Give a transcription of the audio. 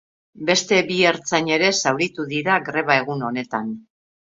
Beste bi ertzain ere zauritu dira greba egun honetan.